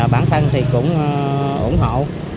bản thân thì cũng ủng hộ